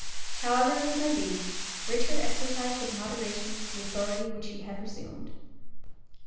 However this may be, Richard exercised with moderation the authority which he had resumed.